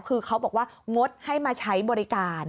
คือเขาบอกว่างดให้มาใช้บริการ